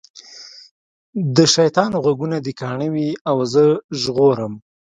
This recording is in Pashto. د شیطان غوږونه دي کاڼه وي او زه ژغورم.